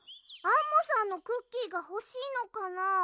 アンモさんのクッキーがほしいのかな？